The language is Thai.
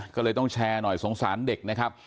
ก็เลยต้องแชร์หน่อยสงสารเด็กนะครับ